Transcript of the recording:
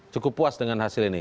cukup puas dengan hasil ini